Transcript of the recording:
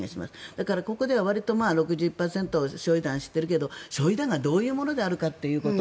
だからここではわりと６０％焼い弾を知っているけど焼い弾がどういうものであるかということ。